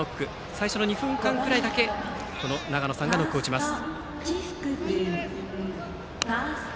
最初の２分間くらいだけ永野さんがノックを打ちます。